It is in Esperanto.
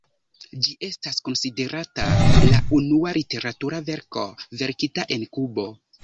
Ĝi estas konsiderata la unua literatura verko verkita en Kubo.